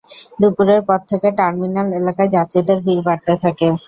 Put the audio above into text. দুপুরের পর থেকে টার্মিনাল এলাকায় যাত্রীদের ভিড় বাড়তে থাকে।